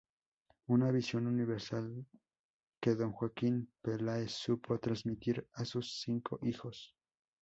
Una visión universal que Don Joaquín Peláez supo transmitir a sus cinco hijos.